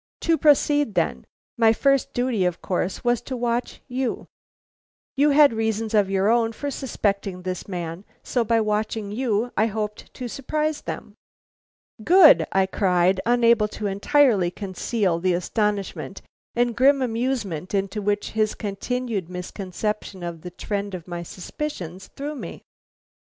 To proceed then; my first duty, of course, was to watch you. You had reasons of your own for suspecting this man, so by watching you I hoped to surprise them." "Good!" I cried, unable to entirely conceal the astonishment and grim amusement into which his continued misconception of the trend of my suspicions threw me.